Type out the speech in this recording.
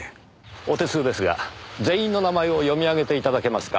お手数ですが全員の名前を読み上げて頂けますか？